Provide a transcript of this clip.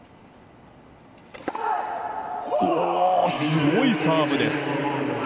すごいサーブです！